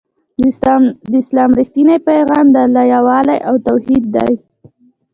د اسلام رښتينی پيغام د الله يووالی او توحيد دی